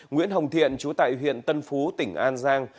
nguyễn hồng thiện chú tại huyện tân phú tỉnh an giang